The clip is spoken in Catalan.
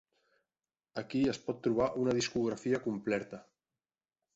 Aquí es pot trobar una discografia complerta.